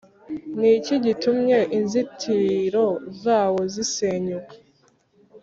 Niki gitumye inzitiro zawo zisenyuka